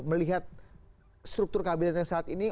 melihat struktur kabinetnya saat ini